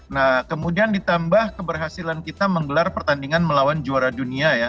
nah kemudian ditambah keberhasilan kita menggelar pertandingan melawan juara dunia ya